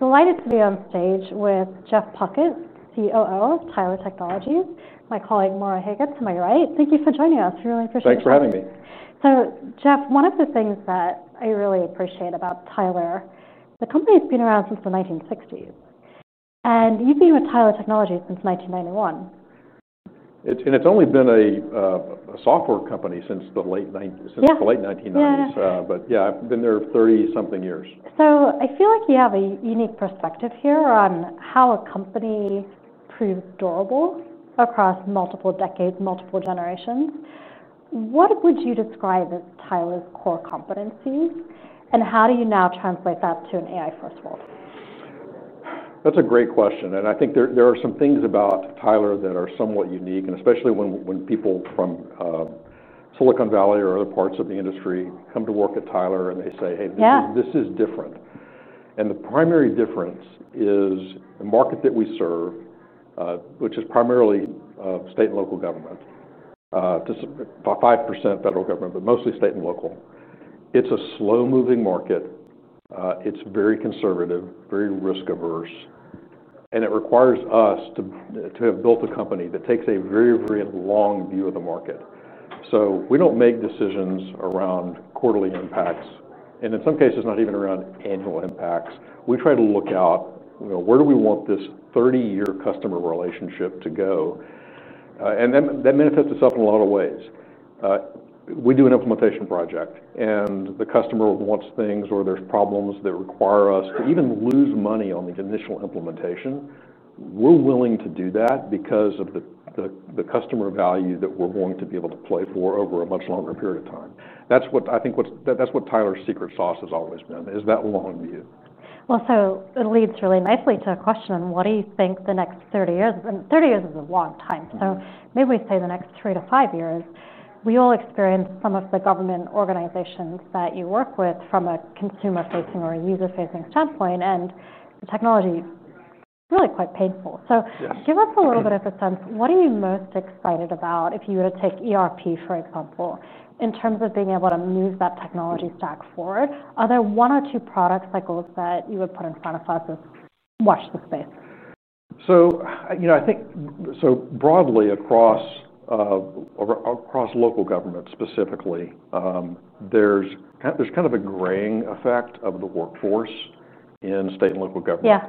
Delighted to be on stage with Jeff Puckett, COO of Tyler Technologies, my colleague Maura Haggett to my right. Thank you for joining us. We really appreciate it. Thanks for having me. Jeff, one of the things that I really appreciate about Tyler, the company's been around since the 1960s, and you've been with Tyler Technologies since 1991. It's only been a software company since the late 1990s. I've been there 30-something years. I feel like you have a unique perspective here on how a company proves durable across multiple decades, multiple generations. What would you describe as Tyler's core competencies? How do you now translate that to an AI-first world? That's a great question. I think there are some things about Tyler that are somewhat unique, especially when people from Silicon Valley or other parts of the industry come to work at Tyler and they say, "Hey, this is different." The primary difference is the market that we serve, which is primarily state and local government, about 5% federal government, but mostly state and local. It's a slow-moving market. It's very conservative, very risk-averse. It requires us to have built a company that takes a very, very long view of the market. We don't make decisions around quarterly impacts, and in some cases, not even around annual impacts. We try to look out, you know, where do we want this 30-year customer relationship to go? That benefits us in a lot of ways. We do an implementation project, and the customer wants things or there's problems that require us to even lose money on the initial implementation. We're willing to do that because of the customer value that we're going to be able to play for over a much longer period of time. That's what I think Tyler's secret sauce has always been, is that long view. It leads really nicely to a question on what do you think the next 30 years? 30 years is a long time, so maybe we say the next three to five years. We all experience some of the government organizations that you work with from a consumer-facing or a user-facing standpoint, and the technology is really quite painful. Give us a little bit of a sense. What are you most excited about if you were to take enterprise financial software systems, for example, in terms of being able to move that technology stack forward? Are there one or two product cycles that you would put in front of us and watch the space? I think broadly across local government specifically, there's kind of a graying effect of the workforce in state and local government.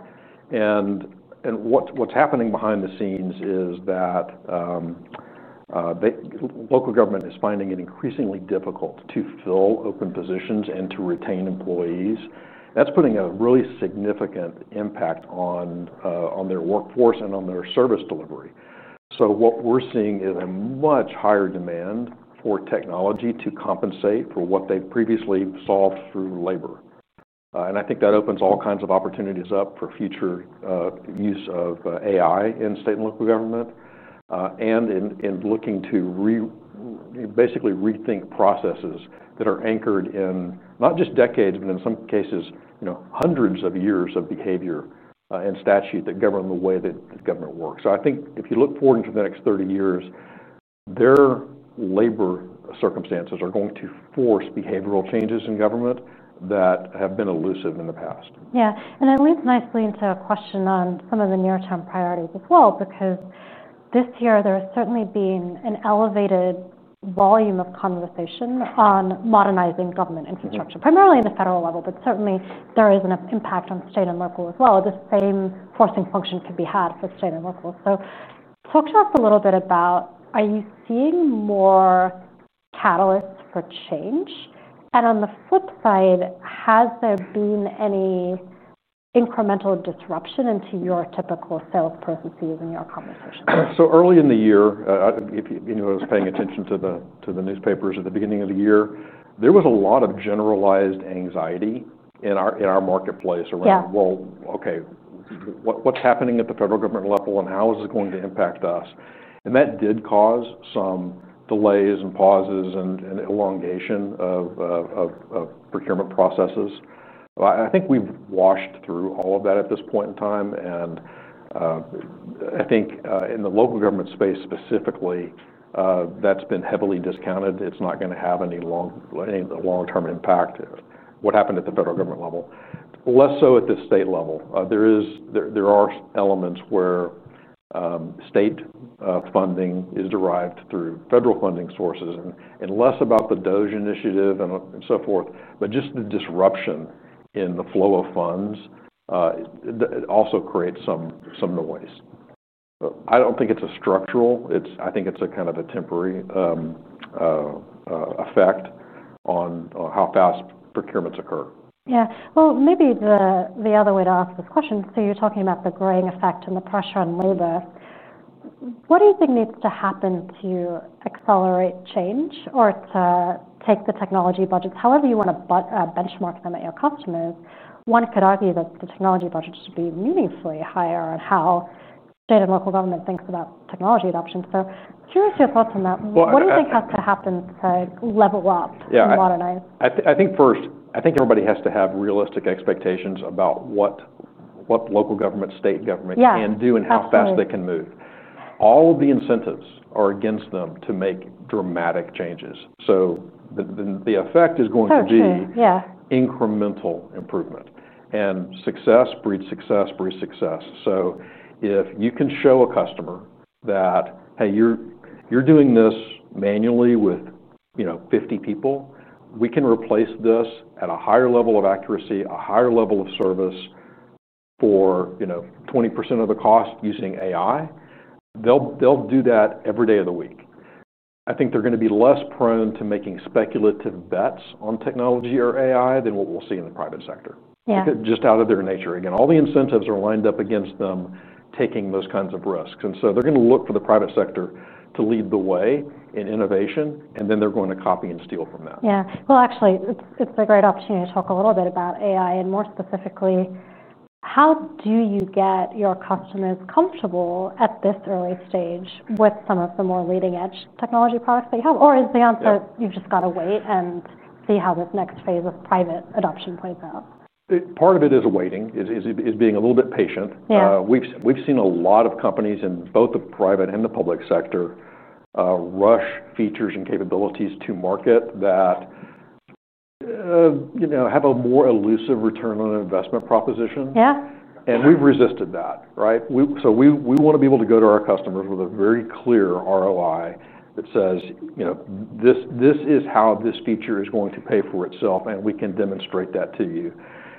What's happening behind the scenes is that local government is finding it increasingly difficult to fill open positions and to retain employees. That's putting a really significant impact on their workforce and on their service delivery. What we're seeing is a much higher demand for technology to compensate for what they've previously solved through labor. I think that opens all kinds of opportunities up for future use of AI in state and local government and in looking to basically rethink processes that are anchored in not just decades, but in some cases, hundreds of years of behavior and statute that govern the way that the government works. If you look forward to the next 30 years, their labor circumstances are going to force behavioral changes in government that have been elusive in the past. Yeah. It leads nicely into a question on some of the near-term priorities as well, because this year there has certainly been an elevated volume of conversation on modernizing government infrastructure, primarily at the federal level, but certainly there is an impact on state and local as well. The same forcing function could be had for state and local. Talk to us a little bit about, are you seeing more catalysts for change? On the flip side, has there been any incremental disruption into your typical sales processes and your conversations? Early in the year, I was paying attention to the newspapers at the beginning of the year. There was a lot of generalized anxiety in our marketplace around, okay, what's happening at the federal government level and how is this going to impact us? That did cause some delays and pauses and elongation of procurement processes. I think we've washed through all of that at this point in time. I think in the local government space specifically, that's been heavily discounted. It's not going to have any long-term impact. What happened at the federal government level? Less so at the state level. There are elements where state funding is derived through federal funding sources, and less about the DOGE initiative and so forth. Just the disruption in the flow of funds also creates some noise. I don't think it's structural, I think it's kind of a temporary effect on how fast procurements occur. Maybe the other way to ask this question, you're talking about the growing effect and the pressure on labor. What do you think needs to happen to accelerate change or to take the technology budgets, however you want to benchmark them at your cost of move? One could argue that the technology budget should be meaningfully higher on how state and local government thinks about technology adoption. Curious your thoughts on that. What do you think has to happen to level up to modernize? I think first, everybody has to have realistic expectations about what local government and state government can do and how fast they can move. All of the incentives are against them to make dramatic changes. The effect is going to be incremental improvement. Success breeds success, breeds success. If you can show a customer that, hey, you're doing this manually with, you know, 50 people, we can replace this at a higher level of accuracy, a higher level of service for, you know, 20% of the cost using AI, they'll do that every day of the week. I think they're going to be less prone to making speculative bets on technology or AI than what we'll see in the private sector, just out of their nature. Again, all the incentives are lined up against them taking those kinds of risks. They're going to look for the private sector to lead the way in innovation, and then they're going to copy and steal from that. Actually, it's a great opportunity to talk a little bit about AI and, more specifically, how do you get your customers comfortable at this early stage with some of the more leading-edge technology products that you have? Or is the answer you've just got to wait and see how this next phase of private adoption plays out? Part of it is waiting, is being a little bit patient. We've seen a lot of companies in both the private and the public sector rush features and capabilities to market that have a more elusive return on investment proposition. Yeah, we've resisted that, right? We want to be able to go to our customers with a very clear ROI that says, you know, this is how this feature is going to pay for itself, and we can demonstrate that to you.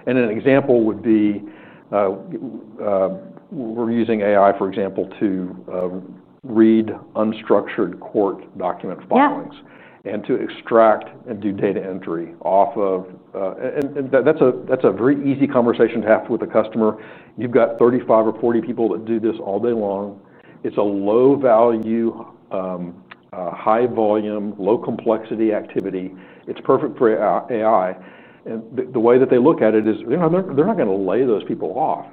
An example would be we're using AI, for example, to read unstructured court document filings and to extract and do data entry off of. That's a very easy conversation to have with a customer. You've got 35 or 40 people that do this all day long. It's a low-value, high-volume, low-complexity activity. It's perfect for AI. The way that they look at it is, you know, they're not going to lay those people off.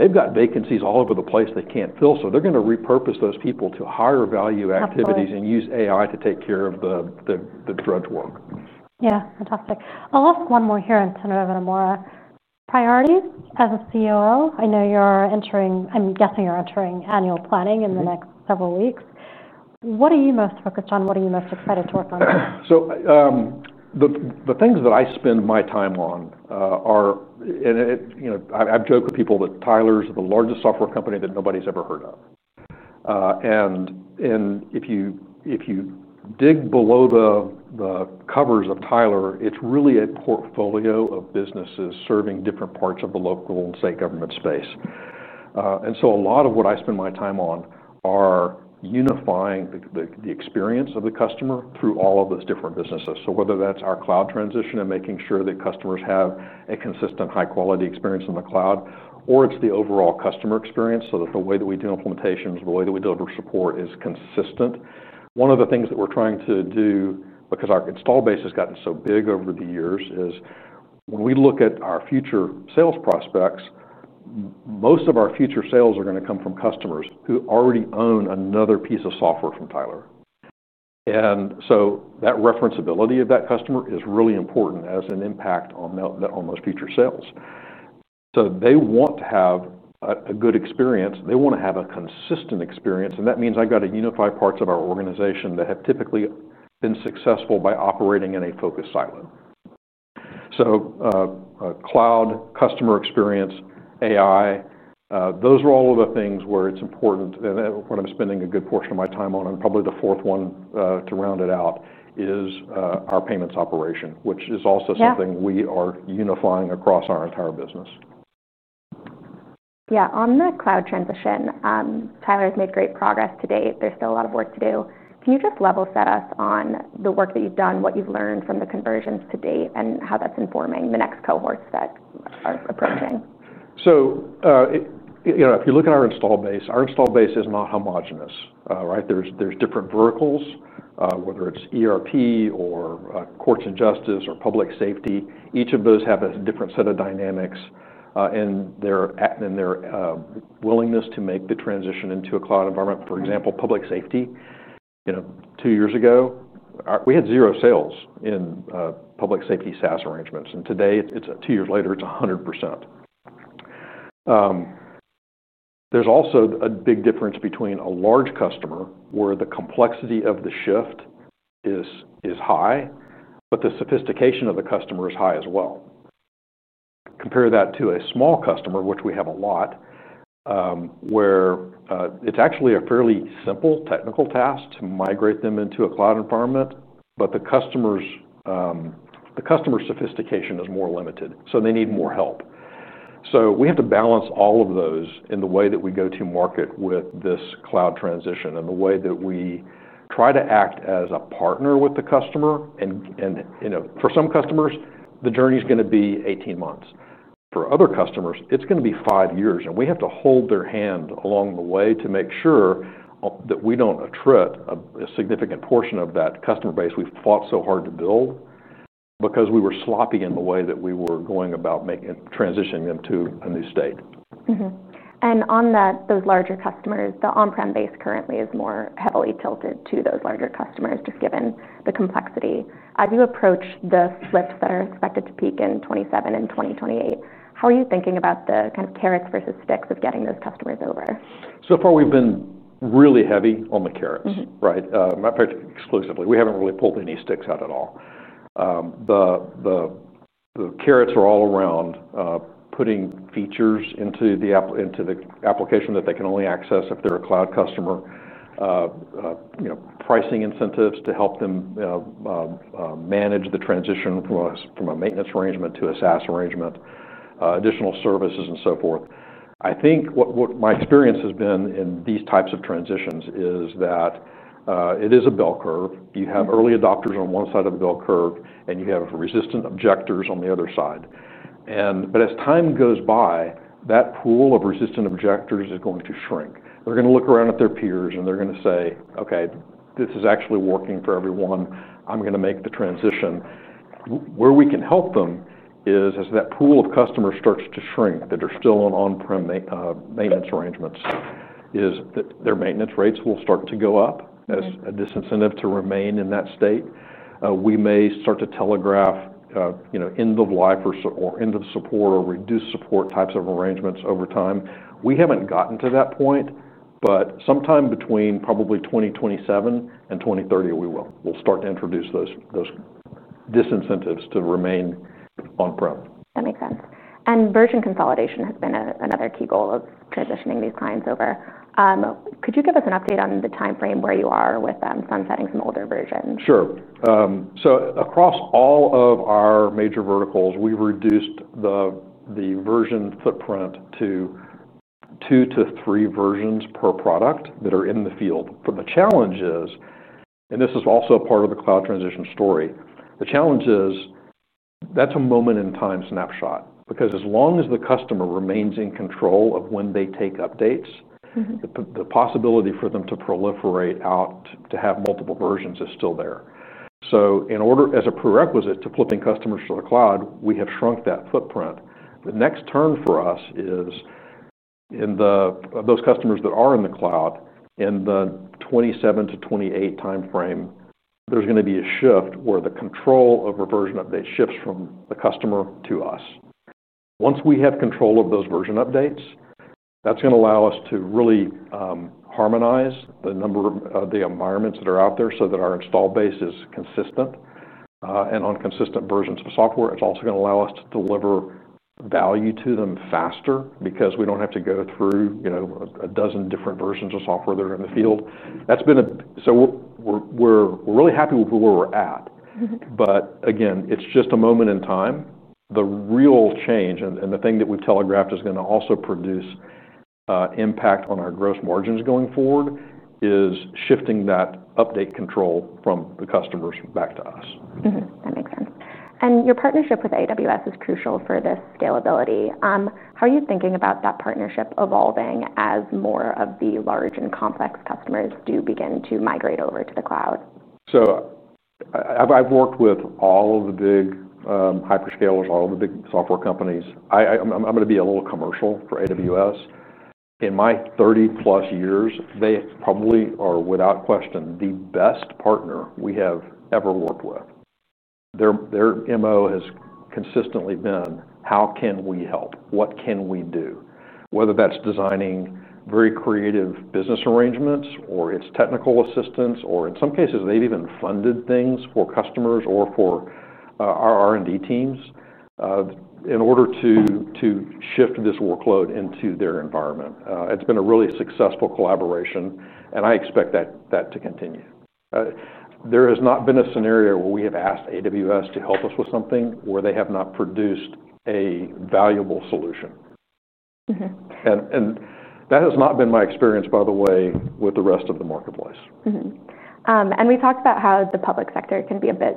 They've got vacancies all over the place they can't fill. They're going to repurpose those people to higher-value activities and use AI to take care of the drudge work. Yeah, fantastic. I'll ask one more here and turn over to Maura. Priorities as a COO, I know you're entering, I'm guessing you're entering annual planning in the next several weeks. What are you most focused on? What are you most excited to work on? The things that I spend my time on are, and you know, I've joked with people that Tyler's the largest software company that nobody's ever heard of. If you dig below the covers of Tyler, it's really a portfolio of businesses serving different parts of the local and state government space. A lot of what I spend my time on are unifying the experience of the customer through all of those different businesses. Whether that's our cloud transition and making sure that customers have a consistent high-quality experience in the cloud, or it's the overall customer experience so that the way that we do implementations, the way that we deliver support is consistent. One of the things that we're trying to do because our install base has gotten so big over the years is when we look at our future sales prospects, most of our future sales are going to come from customers who already own another piece of software from Tyler. That referenceability of that customer is really important as an impact on those future sales. They want to have a good experience. They want to have a consistent experience. That means I've got to unify parts of our organization that have typically been successful by operating in a focused silo. Cloud, customer experience, AI, those are all of the things where it's important. What I'm spending a good portion of my time on, and probably the fourth one to round it out, is our payments operation, which is also something we are unifying across our entire business. Yeah, on the cloud transition, Tyler's made great progress to date. There's still a lot of work to do. Can you just level set us on the work that you've done, what you've learned from the conversions to date, and how that's informing the next cohorts that are approaching? If you look at our install base, our install base is not homogenous, right? There's different verticals, whether it's enterprise financial software systems or integrated software for courts and justice agencies or public safety software. Each of those have a different set of dynamics in their willingness to make the transition into a cloud environment. For example, public safety software, two years ago, we had zero sales in public safety SaaS arrangements. Today, two years later, it's 100%. There's also a big difference between a large customer where the complexity of the shift is high, but the sophistication of the customer is high as well. Compare that to a small customer, which we have a lot, where it's actually a fairly simple technical task to migrate them into a cloud environment, but the customer's sophistication is more limited. They need more help. We have to balance all of those in the way that we go to market with this cloud migration and the way that we try to act as a partner with the customer. For some customers, the journey is going to be 18 months. For other customers, it's going to be five years. We have to hold their hand along the way to make sure that we don't attrit a significant portion of that customer base we've fought so hard to build because we were sloppy in the way that we were going about transitioning them to a new state. On those larger customers, the on-prem base currently is more heavily tilted to those larger customers, just given the complexity. As you approach the flips that are expected to peak in 2027 and 2028, how are you thinking about the kind of carrots versus sticks of getting those customers over? So far, we've been really heavy on the carrots, right? Exclusively. We haven't really pulled any sticks out at all. The carrots are all around putting features into the application that they can only access if they're a cloud customer, pricing incentives to help them manage the transition from a maintenance arrangement to a SaaS arrangement, additional services, and so forth. I think what my experience has been in these types of transitions is that it is a bell curve. You have early adopters on one side of the bell curve, and you have resistant objectors on the other side. As time goes by, that pool of resistant objectors is going to shrink. They're going to look around at their peers, and they're going to say, "Okay, this is actually working for everyone. I'm going to make the transition." Where we can help them is as that pool of customers starts to shrink that are still on on-prem maintenance arrangements, their maintenance rates will start to go up as a disincentive to remain in that state. We may start to telegraph, you know, end of life or end of support or reduced support types of arrangements over time. We haven't gotten to that point, but sometime between probably 2027 and 2030, we will. We'll start to introduce those disincentives to remain on-prem. That makes sense. Version consolidation has been another key goal of transitioning these clients over. Could you give us an update on the timeframe where you are with sunsetting some older versions? Sure. Across all of our major verticals, we've reduced the version footprint to two to three versions per product that are in the field. The challenge is, and this is also part of the cloud transition story, that's a moment-in-time snapshot because as long as the customer remains in control of when they take updates, the possibility for them to proliferate out to have multiple versions is still there. In order, as a prerequisite to flipping customers to the cloud, we have shrunk that footprint. The next turn for us is in those customers that are in the cloud in the 2027-2028 timeframe, there's going to be a shift where the control over version update shifts from the customer to us. Once we have control of those version updates, that's going to allow us to really harmonize the number of the environments that are out there so that our install base is consistent. On consistent versions of software, it's also going to allow us to deliver value to them faster because we don't have to go through a dozen different versions of software that are in the field. We're really happy with where we're at. Again, it's just a moment in time. The real change and the thing that we've telegraphed is going to also produce impact on our gross margins going forward is shifting that update control from the customers back to us. That makes sense. Your partnership with AWS is crucial for this scalability. How are you thinking about that partnership evolving as more of the large and complex customers do begin to migrate over to the cloud? I have worked with all of the big hyperscalers, all of the big software companies. I'm going to be a little commercial for AWS. In my 30-plus years, they probably are, without question, the best partner we have ever worked with. Their MO has consistently been, how can we help? What can we do? Whether that's designing very creative business arrangements or it's technical assistance, or in some cases, they've even funded things for customers or for our R&D teams in order to shift this workload into their environment. It's been a really successful collaboration, and I expect that to continue. There has not been a scenario where we have asked AWS to help us with something where they have not produced a valuable solution. That has not been my experience, by the way, with the rest of the marketplace. We talked about how the public sector can be a bit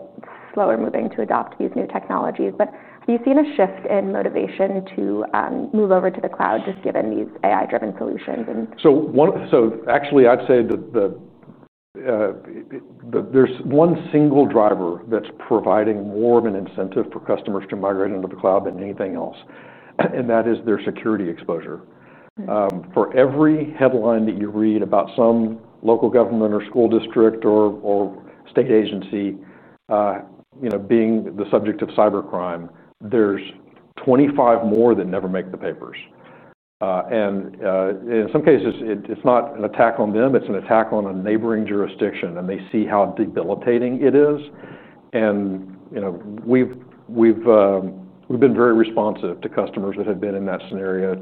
slower moving to adopt these new technologies, but have you seen a shift in motivation to move over to the cloud just given these AI-driven solutions? I'd say that there's one single driver that's providing more of an incentive for customers to migrate into the cloud than anything else, and that is their security exposure. For every headline that you read about some local government or school district or state agency being the subject of cybercrime, there's 25 more that never make the papers. In some cases, it's not an attack on them, it's an attack on a neighboring jurisdiction, and they see how debilitating it is. We've been very responsive to customers that have been in that scenario,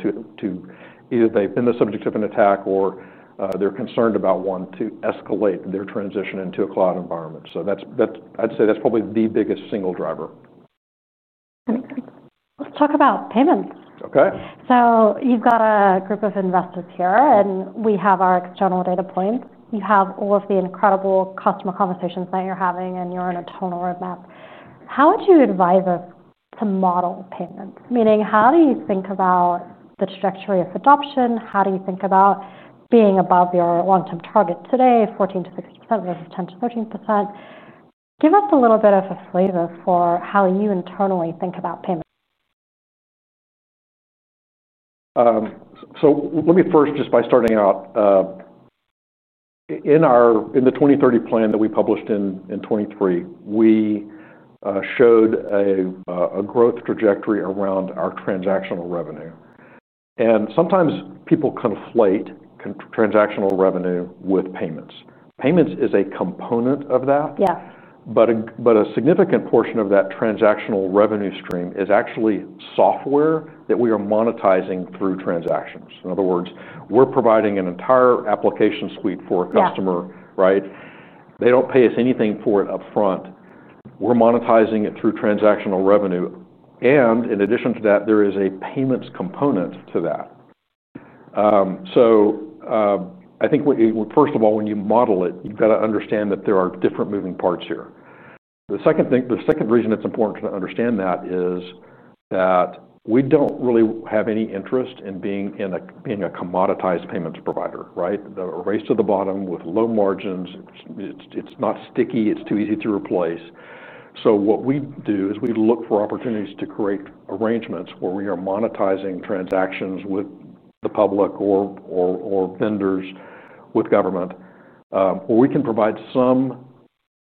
either they've been the subject of an attack or they're concerned about one, to escalate their transition into a cloud environment. I'd say that's probably the biggest single driver. That makes sense. Let's talk about payments. Okay. You've got a group of investors here, and we have our external data point. You have all of the incredible customer conversations that you're having, and you're on a ton of roadmap. How would you advise us to model payments? Meaning, how do you think about the trajectory of adoption? How do you think about being above your long-term target today, 14%-16% versus 10%-13%? Give us a little bit of a flavor for how you internally think about payments. Let me first, just by starting out, in the 2030 plan that we published in 2023, we showed a growth trajectory around our transactional revenue. Sometimes people conflate transactional revenue with payments. Payments is a component of that, but a significant portion of that transactional revenue stream is actually software that we are monetizing through transactions. In other words, we're providing an entire application suite for a customer, right? They don't pay us anything for it upfront. We're monetizing it through transactional revenue. In addition to that, there is a payments component to that. I think, first of all, when you model it, you've got to understand that there are different moving parts here. The second thing, the second reason it's important to understand that is that we don't really have any interest in being a commoditized payments provider, right? The race to the bottom with low margins. It's not sticky. It's too easy to replace. What we do is we look for opportunities to create arrangements where we are monetizing transactions with the public or vendors with government, where we can provide some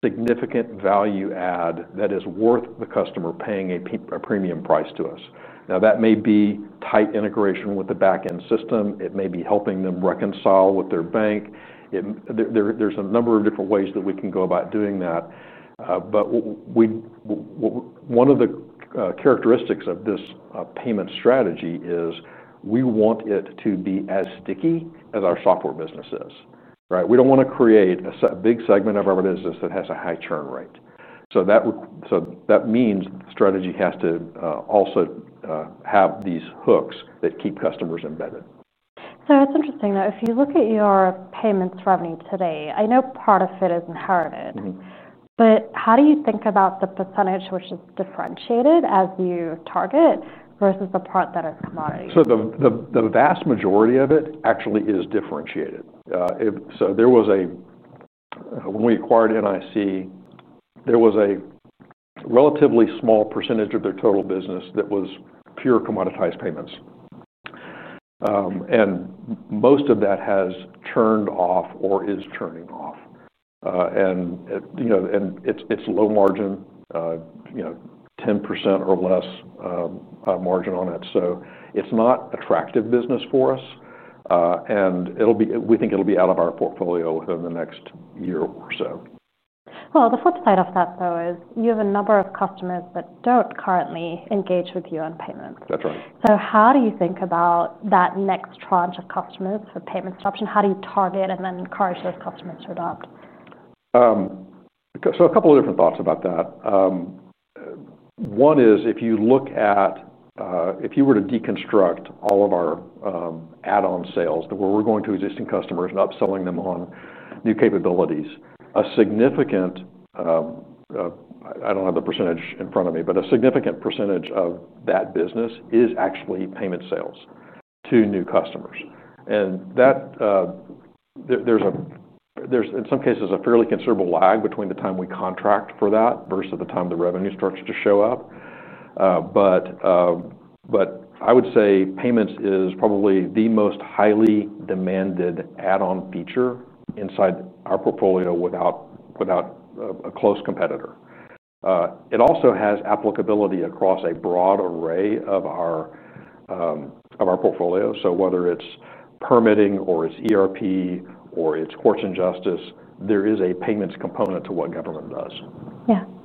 significant value add that is worth the customer paying a premium price to us. That may be tight integration with the backend system. It may be helping them reconcile with their bank. There's a number of different ways that we can go about doing that. One of the characteristics of this payment strategy is we want it to be as sticky as our software businesses, right? We don't want to create a big segment of our business that has a high churn rate. That means the strategy has to also have these hooks that keep customers embedded. It's interesting that if you look at your payments revenue today, I know part of it is inherited, but how do you think about the percentage which is differentiated as you target versus the part that is commodity? The vast majority of it actually is differentiated. When we acquired NIC, there was a relatively small percentage of their total business that was pure commoditized payments. Most of that has turned off or is turning off. It's low margin, 10% or less margin on it. It's not an attractive business for us, and we think it'll be out of our portfolio within the next year or so. The flip side of that, though, is you have a number of customers that don't currently engage with you on payments. That's right. How do you think about that next tranche of customers for payments adoption? How do you target and then encourage those customers to adopt? A couple of different thoughts about that. One is if you look at, if you were to deconstruct all of our add-on sales where we're going to existing customers and upselling them on new capabilities, a significant, I don't have the percentage in front of me, but a significant percentage of that business is actually payment sales to new customers. In some cases, there's a fairly considerable lag between the time we contract for that versus the time the revenue starts to show up. I would say payments is probably the most highly demanded add-on feature inside our portfolio without a close competitor. It also has applicability across a broad array of our portfolio. Whether it's permitting or it's ERP or it's integrated software for courts and justice agencies, there is a payments component to what government does.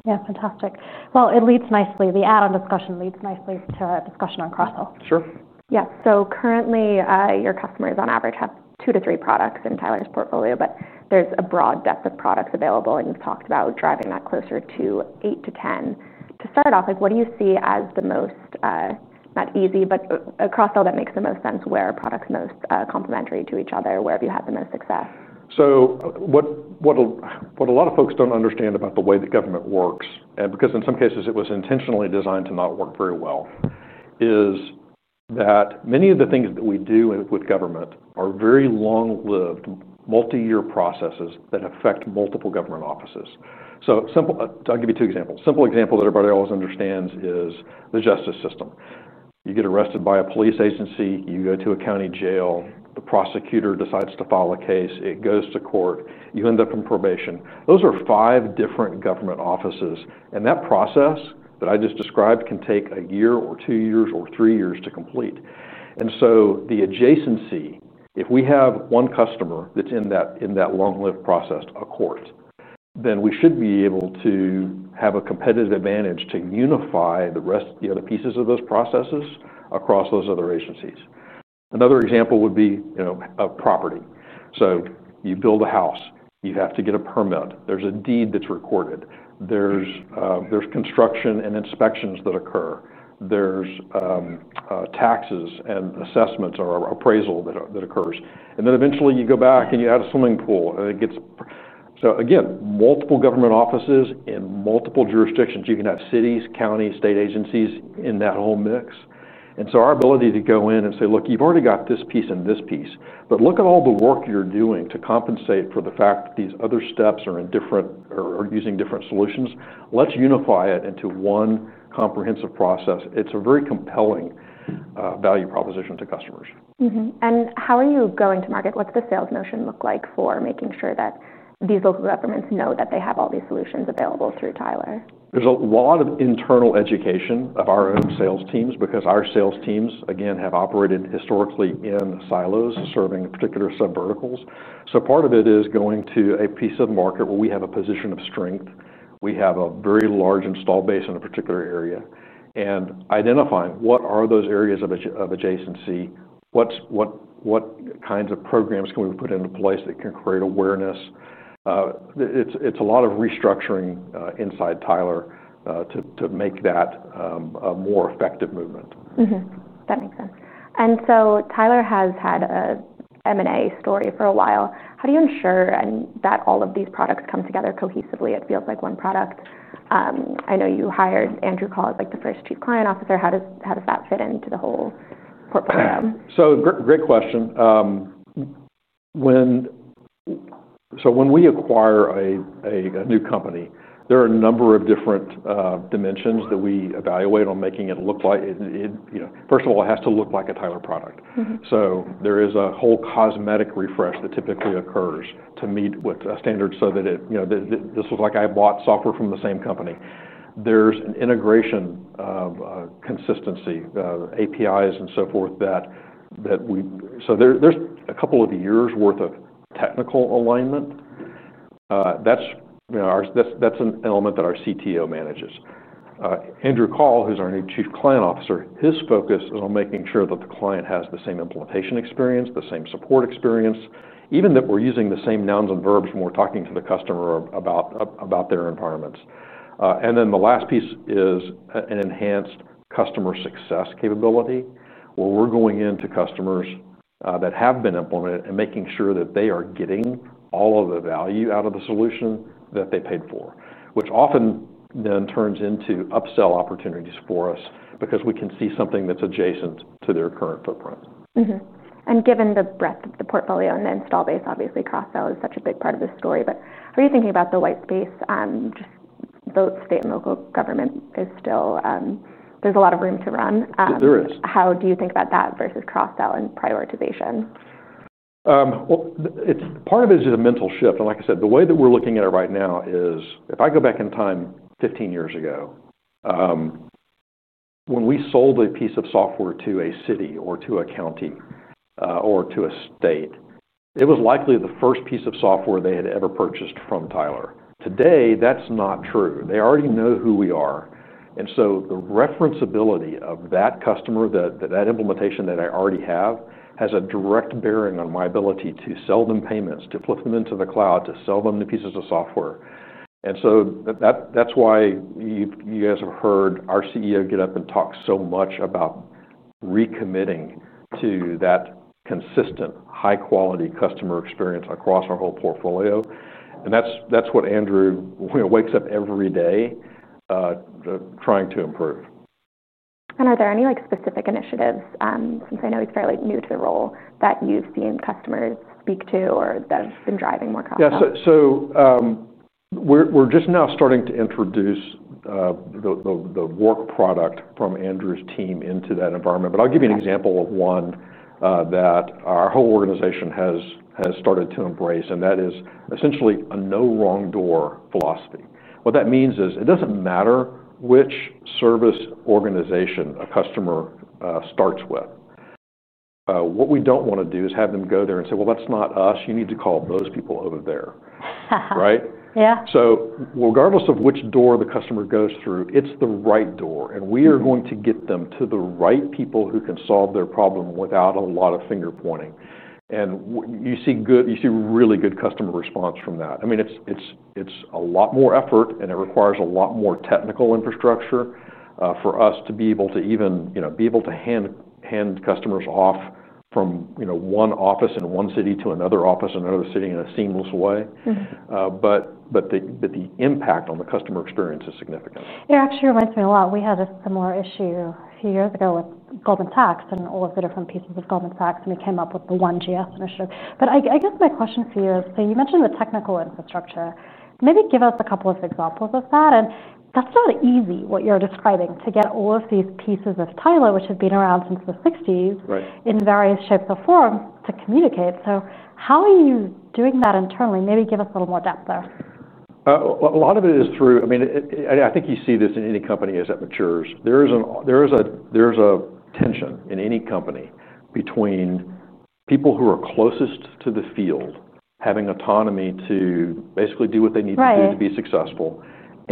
Yeah, fantastic. The add-on discussion leads nicely to a discussion on cross-sell. Sure. Yeah, so currently your customers on average have two to three products in Tyler's portfolio, but there's a broad depth of products available. You've talked about driving that closer to eight to 10. To start off, what do you see as the most, not easy, but a cross-sell that makes the most sense where products are most complementary to each other? Where have you had the most success? What a lot of folks don't understand about the way that government works, and because in some cases it was intentionally designed to not work very well, is that many of the things that we do with government are very long-lived, multi-year processes that affect multiple government offices. I'll give you two examples. A simple example that everybody always understands is the justice system. You get arrested by a police agency, you go to a county jail, the prosecutor decides to file a case, it goes to court, you end up on probation. Those are five different government offices. That process that I just described can take a year or two years or three years to complete. The adjacency, if we have one customer that's in that long-lived process, a court, then we should be able to have a competitive advantage to unify the other pieces of those processes across those other agencies. Another example would be a property. You build a house, you have to get a permit, there's a deed that's recorded, there's construction and inspections that occur, there's taxes and assessments or appraisal that occurs. Eventually you go back and you add a swimming pool. Again, multiple government offices in multiple jurisdictions, you can have cities, counties, state agencies in that whole mix. Our ability to go in and say, "Look, you've already got this piece and this piece, but look at all the work you're doing to compensate for the fact that these other steps are in different or are using different solutions. Let's unify it into one comprehensive process." It's a very compelling value proposition to customers. How are you going to market? What's the sales motion look like for making sure that these local governments know that they have all these solutions available through Tyler? There's a lot of internal education of our own sales teams because our sales teams, again, have operated historically in silos serving particular sub-verticals. Part of it is going to a piece of market where we have a position of strength. We have a very large install base in a particular area and identifying what are those areas of adjacency, what kinds of programs can we put into place that can create awareness. It's a lot of restructuring inside Tyler to make that a more effective movement. That makes sense. Tyler has had an M&A story for a while. How do you ensure that all of these products come together cohesively? It feels like one product. I know you hired Andrew Kahl as the first Chief Client Officer. How does that fit into the whole portfolio? Great question. When we acquire a new company, there are a number of different dimensions that we evaluate on making it look like, you know, first of all, it has to look like a Tyler product. There is a whole cosmetic refresh that typically occurs to meet with a standard so that it, you know, this was like I bought software from the same company. There is an integration of consistency, APIs, and so forth, so there's a couple of years' worth of technical alignment. That's an element that our CTO manages. Andrew Kahl, is our new Chief Client Officer, his focus is on making sure that the client has the same implementation experience, the same support experience, even that we're using the same nouns and verbs when we're talking to the customer about their environments. The last piece is an enhanced customer success capability where we're going into customers that have been implemented and making sure that they are getting all of the value out of the solution that they paid for, which often then turns into upsell opportunities for us because we can see something that's adjacent to their current footprint. Given the breadth of the portfolio and the install base, obviously cross-sell is such a big part of this story. How are you thinking about the white space? Just both state and local government is still, there's a lot of room to run. There is. How do you think about that versus cross-sell and prioritization? Part of it is a mental shift. Like I said, the way that we're looking at it right now is if I go back in time 15 years ago, when we sold a piece of software to a city or to a county or to a state, it was likely the first piece of software they had ever purchased from Tyler. Today, that's not true. They already know who we are, so the referenceability of that customer, that implementation that I already have, has a direct bearing on my ability to sell them payments, to flip them into the cloud, to sell them the pieces of software. That's why you guys have heard our CEO get up and talk so much about recommitting to that consistent, high-quality customer experience across our whole portfolio. That's what Andrew wakes up every day trying to improve. Are there any specific initiatives, since I know he's fairly new to the role, that you've seen customers speak to or that have been driving more customers? Yeah, we are just now starting to introduce the work product from Andrew's team into that environment. I'll give you an example of one that our whole organization has started to embrace, and that is essentially a no wrong door philosophy. What that means is it doesn't matter which service organization a customer starts with. What we don't want to do is have them go there and say, "Well, that's not us. You need to call those people over there." Right? Yeah. Regardless of which door the customer goes through, it's the right door. We are going to get them to the right people who can solve their problem without a lot of finger pointing. You see really good customer response from that. It's a lot more effort, and it requires a lot more technical infrastructure for us to be able to even be able to hand customers off from one office in one city to another office in another city in a seamless way. The impact on the customer experience is significant. Yeah, actually reminds me a lot. We had a similar issue a few years ago with Goldman Sachs and all of the different pieces of Goldman Sachs, and we came up with the One GS initiative. I guess my question for you is, you mentioned the technical infrastructure. Maybe give us a couple of examples of that. That's not easy, what you're describing, to get all of these pieces of Tyler, which have been around since the 1960s in various shapes or forms, to communicate. How are you doing that internally? Maybe give us a little more depth there. A lot of it is through, I mean, I think you see this in any company as it matures. There is a tension in any company between people who are closest to the field having autonomy to basically do what they need to do to be successful,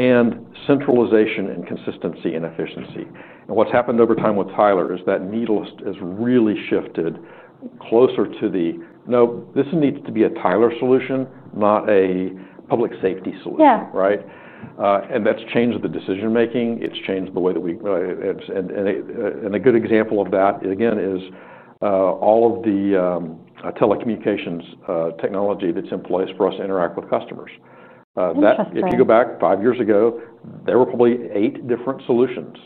and centralization and consistency and efficiency. What's happened over time with Tyler is that needles has really shifted closer to the, no, this needs to be a Tyler solution, not a public safety solution. Right? That's changed the decision-making. It's changed the way that we, and a good example of that, again, is all of the telecommunications technology that's in place for us to interact with customers. That's interesting. If you go back five years ago, there were probably eight different solutions.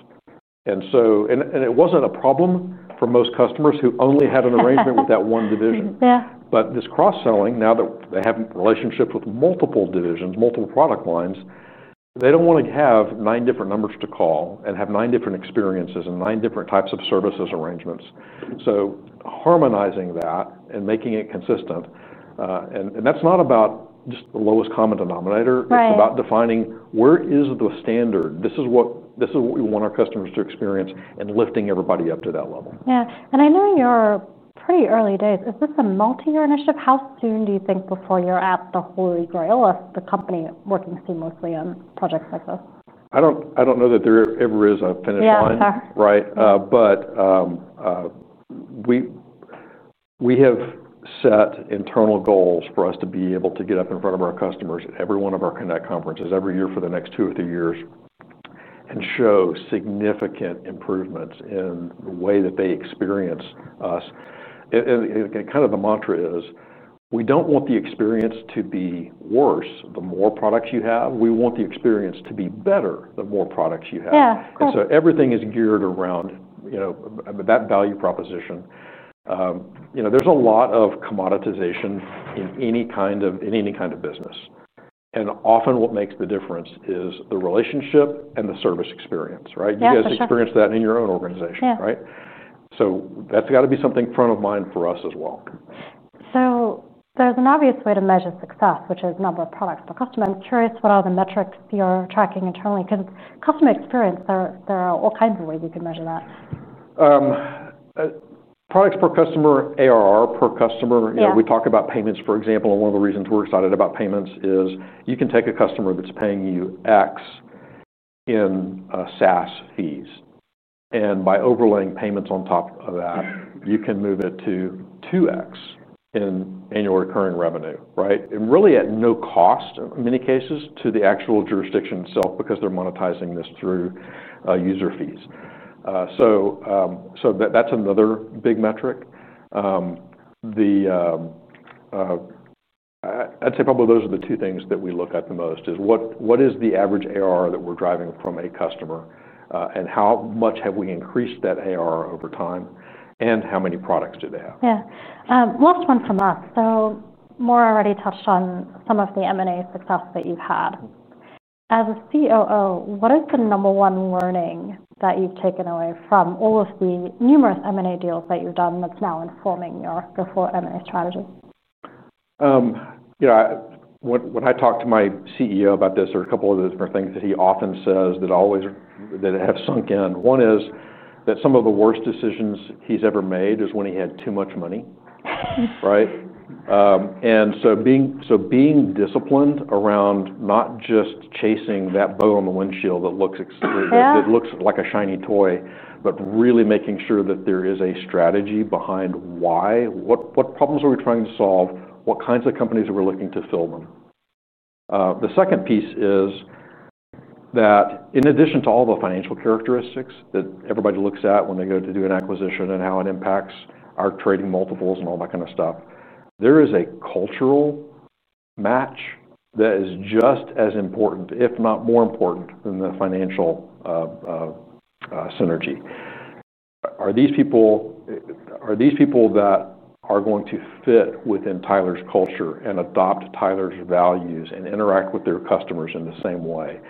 It wasn't a problem for most customers who only had an arrangement with that one division. This cross-selling, now that they have relationships with multiple divisions, multiple product lines, they don't want to have nine different numbers to call and have nine different experiences and nine different types of services arrangements. Harmonizing that and making it consistent is not about just the lowest common denominator. It's about defining where is the standard. This is what we want our customers to experience and lifting everybody up to that level. Yeah, I know you're pretty early days. Is this a multi-year initiative? How soon do you think before you're at the holy grail of the company working seamlessly on projects like this? I don't know that there ever is a finish line. Yeah, sir. Right. We have set internal goals for us to be able to get up in front of our customers at every one of our Connect Conferences every year for the next two or three years and show significant improvements in the way that they experience us. The mantra is, we don't want the experience to be worse the more products you have. We want the experience to be better the more products you have. Yeah, right. Everything is geared around, you know, that value proposition. You know, there's a lot of commoditization in any kind of business, and often what makes the difference is the relationship and the service experience, right? Yeah. You guys experienced that in your own organization, right? Yeah. That has got to be something front of mind for us as well. There's an obvious way to measure success, which is number of products per customer. I'm curious, what are the metrics you're tracking internally? Because customer experience, there are all kinds of ways you can measure that. Products per customer, ARR per customer. We talk about payments, for example. One of the reasons we're excited about payments is you can take a customer that's paying you X in SaaS fees, and by overlaying payments on top of that, you can move it to 2X in annual recurring revenue, right? Really at no cost in many cases to the actual jurisdiction itself because they're monetizing this through user fees. That's another big metric. I'd say probably those are the two things that we look at the most: what is the average ARR that we're driving from a customer and how much have we increased that ARR over time and how many products do they have? Yeah. Last one from that. Maura already touched on some of the M&A success that you've had. As COO, what is the number one learning that you've taken away from all of the numerous M&A deals that you've done that's now informing your go-forward M&A strategy? Yeah. When I talk to my CEO about this or a couple of the different things that he often says that always have sunk in, one is that some of the worst decisions he's ever made is when he had too much money, right? Being disciplined around not just chasing that bow on the windshield that looks like a shiny toy, but really making sure that there is a strategy behind why, what problems are we trying to solve, what kinds of companies are we looking to fill them. The second piece is that in addition to all the financial characteristics that everybody looks at when they go to do an acquisition and how it impacts our trading multiples and all that kind of stuff, there is a cultural match that is just as important, if not more important, than the financial synergy. Are these people that are going to fit within Tyler's culture and adopt Tyler's values and interact with their customers in the same way?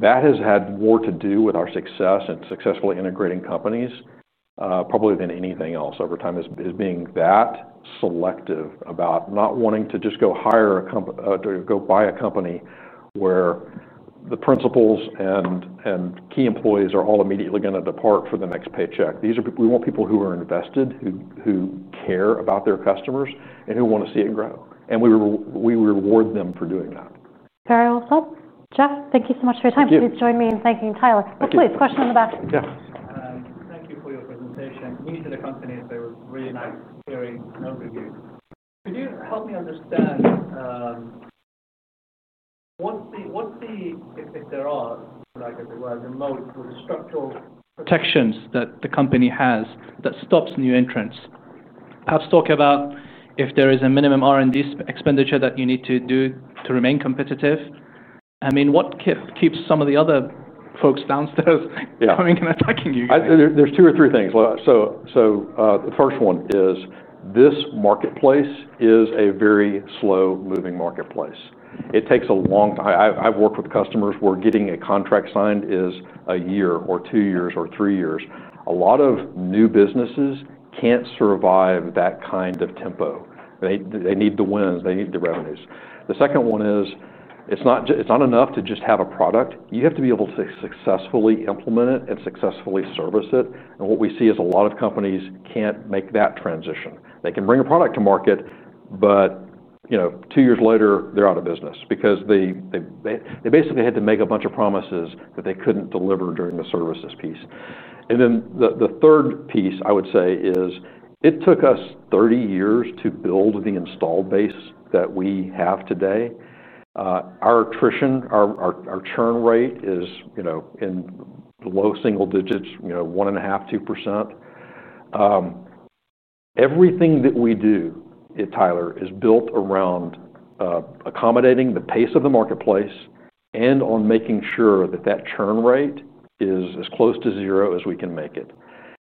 That has had more to do with our success at successfully integrating companies probably than anything else over time, is being that selective about not wanting to just go hire a company, go buy a company where the principals and key employees are all immediately going to depart for the next paycheck. We want people who are invested, who care about their customers, and who want to see it grow. We reward them for doing that. Sorry, I'll stop. Jeff, thank you so much for your time. Yes. Please join me in thanking Tyler. Please, question in the back. Yes. Thank you for your presentation. To the company, it's been really nice hearing and knowing you. Could you help me understand what's the, if there are, like as it was, the mode or the structural protections that the company has that stops new entrants? I was talking about if there is a minimum R&D expenditure that you need to do to remain competitive. I mean, what keeps some of the other folks downstairs coming and attacking you guys? There are two or three things. The first one is this marketplace is a very slow-moving marketplace. It takes a long time. I've worked with customers where getting a contract signed is a year or two years or three years. A lot of new businesses can't survive that kind of tempo. They need the wins. They need the revenues. The second one is it's not enough to just have a product. You have to be able to successfully implement it and successfully service it. What we see is a lot of companies can't make that transition. They can bring a product to market, but two years later, they're out of business because they basically had to make a bunch of promises that they couldn't deliver during the services piece. The third piece I would say is it took us 30 years to build the install base that we have today. Our attrition, our churn rate is in low single digits, 1.5%, 2%. Everything that we do at Tyler is built around accommodating the pace of the marketplace and on making sure that churn rate is as close to zero as we can make it.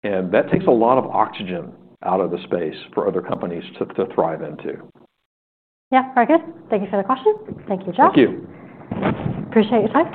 That takes a lot of oxygen out of the space for other companies to thrive into. Yeah, Hagget, thank you for the question. Thank you, Jeff. Thank you. Appreciate your time.